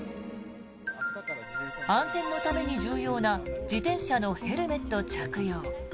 安全のために重要な自転車のヘルメット着用。